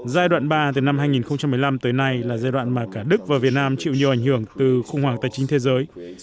giai đoạn ba từ năm hai nghìn một mươi năm tới nay là giai đoạn mà cả đức và việt nam chịu nhiều ảnh hưởng từ khủng hoảng tài chính thế giới